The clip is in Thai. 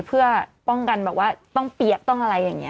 เพื่อป้องกันแบบว่าต้องเปี๊ยกต้องอะไรอย่างนี้